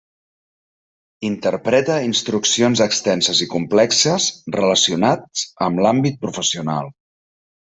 Interpreta instruccions extenses i complexes, relacionats amb l'àmbit professional.